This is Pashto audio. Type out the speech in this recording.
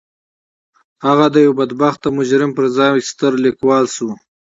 هغه د يوه بدبخته مجرم پر ځای ستر ليکوال شو.